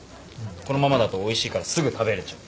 このままだとおいしいからすぐ食べれちゃう。